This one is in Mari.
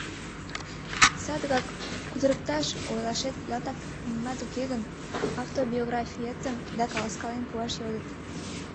Садыгак кутырыкташ Ойлашет ялтак нимат уке гын, автобиографиетым да каласкален пуаш йодыт.